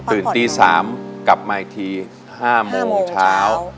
ตื่นตี๓กลับมาอีกที๕โมงเช้า